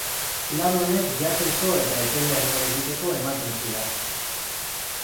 Lan honek jateko eta epelean lo egiteko ematen zidak.